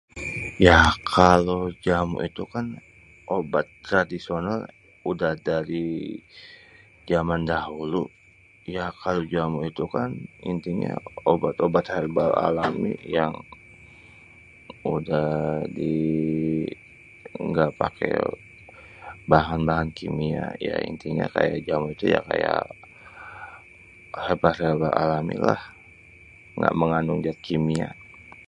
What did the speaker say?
Yah kalo jamu itu kan obat tradisional udah dari jaman dahulu. Ya kalo jaman itu kan intinya obat-obat herbal alami yang udah di, nggak pake bahan-bahan kimia ya intinya kayak jamu itu ya kayak herbal-herbal alami lah, gak mengandung jat kimia.